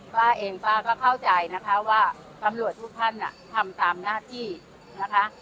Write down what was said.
ป้าเองป้าก็เข้าใจนะคะว่าตำรวจทุกท่านทำตามหน้าที่นะคะ